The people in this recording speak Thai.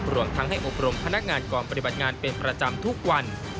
รวมทั้งให้อบรมพนักงานกองปฏิบัติงานเป็นประจำทุกวัน